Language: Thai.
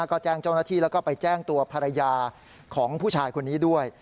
ก็แจ้งเจ้าหน้าที่แล้วก็ไปแจ้งตัวภรรยาของผู้ชายคนนี้ด้วย